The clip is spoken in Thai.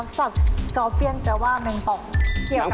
ครับสกรอเป็นแปลว่าแมงปองเกี่ยวกับอะไร